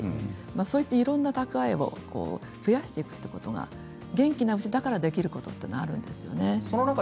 そうしていろんな蓄えを増やしておくということが元気なうちだからこそできることというのが、あるんですね。